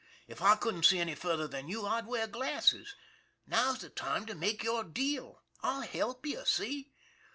If I couldn't see any farther than you, I'd wear glasses. Now's the time to make your deal. I'll help you see?